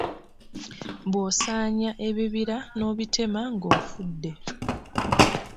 Bw’osaanya ebibira n’obitema ng’ofudde.